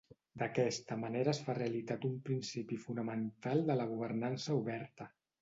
D'aquesta manera es fa realitat un principi fonamental de la governança oberta.